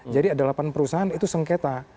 jadi ada delapan perusahaan itu sengketa